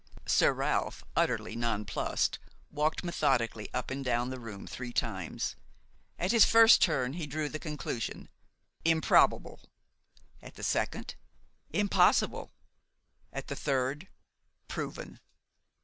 Sir Ralph, utterly nonplussed, walked methodically up and down the room three times. At his first turn he drew the conclusion: improbable; at the second: impossible; at the third: proven.